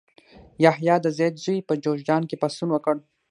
یحیی د زید زوی په جوزجان کې پاڅون وکړ.